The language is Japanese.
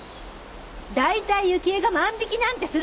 だいたい雪枝が万引なんてするから。